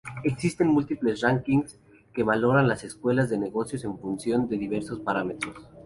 Existen múltiples rankings que valoran las escuelas de negocios en función de diversos parámetros.